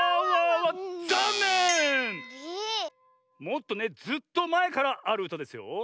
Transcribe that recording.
もっとねずっとまえからあるうたですよ。